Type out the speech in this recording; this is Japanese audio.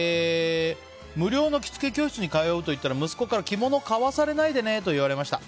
無料の着付け教室に通うと言ったら息子から着物買わされないでねと言われました。